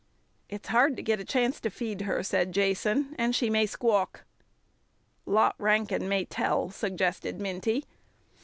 "It's hard to get a chance to feed her," said Jason, "and she may squawk." "Lot Rankin may tell," suggested Minty.